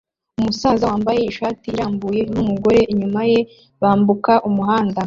Umusaza wambaye ishati irambuye numugore inyuma ye bambuka umuhanda